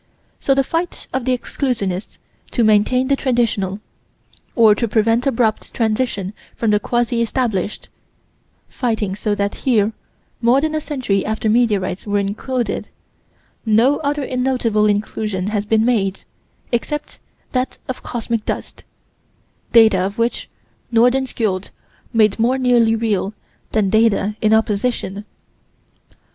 So the fight of the exclusionists to maintain the traditional or to prevent abrupt transition from the quasi established fighting so that here, more than a century after meteorites were included, no other notable inclusion has been made, except that of cosmic dust, data of which Nordenskiold made more nearly real than data in opposition.